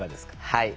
はい。